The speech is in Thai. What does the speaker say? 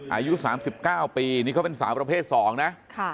อายุ๓๙ปีนี่เขาเป็นสาวประเภท๒นะ